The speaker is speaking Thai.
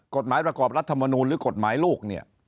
กฎหมายประกอบรัฐมนูลหรือกฎหมายลูกเนี่ย